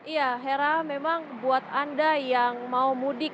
ya hera memang buat anda yang mau mudik